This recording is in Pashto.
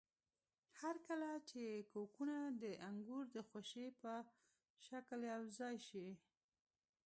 هرکله چې کوکونه د انګور د خوشې په شکل یوځای شي.